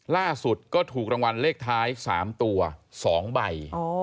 ล่าสุดก็ถูกรางวัลเลขท้าย๓ตัว๒ใบ